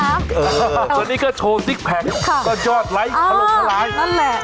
เออสวัสดีค่ะวันนี้ก็โชว์สิกแพ็คก็ยอดไลค์หลงทะลาย